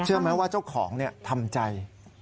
เชื่อไหมว่าเจ้าของทำใจ